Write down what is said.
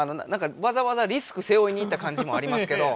わざわざリスクせおいに行ったかんじもありますけど。